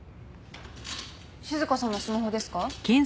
静香さんのスマホですか？